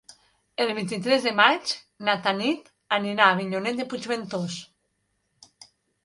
El vint-i-tres de maig na Tanit anirà a Avinyonet de Puigventós.